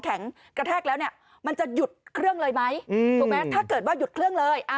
แข็งกระแทกแล้วเนี่ยมันจะหยุดเครื่องเลยไหมถูกไหมถ้าเกิดว่าหยุดเครื่องเลย